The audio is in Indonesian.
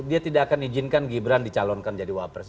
dia tidak akan izinkan gibran dicalonkan jadi wapres